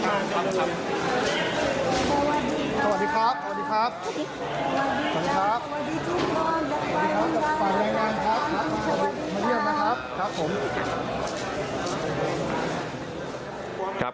สวัสดีครับหลักผ่านแรงงานครับ